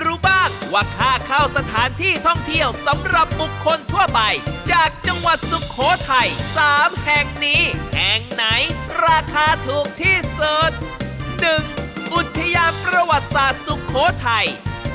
๑อุทยานประวัติศาสตร์สุโขทัย